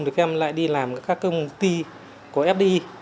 thì các em lại đi làm các công ty của fdi